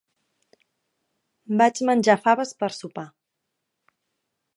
Vaig menjar faves per sopar.